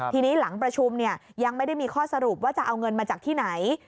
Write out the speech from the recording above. ทีนี้หลังประชุมยังไม่ได้มีข้อสรุปว่าจะเอาเงินมาจากที่ไหน